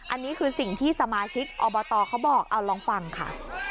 อันนี้คือสิ่งที่สมาชิกอบตเขาบอกเอาลองฟังค่ะ